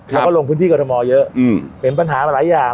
เราก็ลงพื้นที่เกาะธมอล์เยอะอืมเป็นปัญหาหลายอย่าง